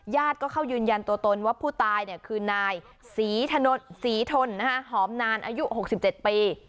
ญาติก็เข้ายืนยันตัวตนว่าผู้ตายเนี่ยคือนายศรีถนนศรีทนหอมนานอายุหกสิบเจ็ดปี